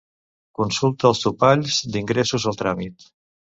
Consulta els topalls d'ingressos al tràmit.